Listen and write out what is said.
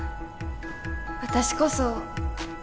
私こそ。